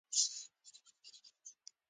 هغه د اختر په ورځو کې د خویندو حالت بیانوي